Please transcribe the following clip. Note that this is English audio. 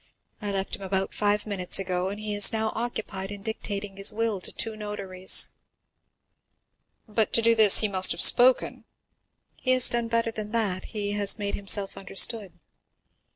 I left him about five minutes ago, and he is now occupied in dictating his will to two notaries." "But to do this he must have spoken?" "He has done better than that—he has made himself understood."